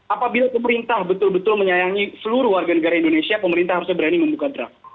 apabila pemerintah betul betul menyayangi seluruh warga negara indonesia pemerintah harusnya berani membuka draft